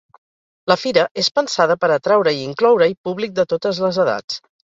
La fira és pensada per atraure i incloure-hi públic de totes les edats.